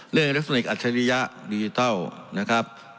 เรื่องอิเล็กซูนิกอัชริยะดิจิทัลนะครับ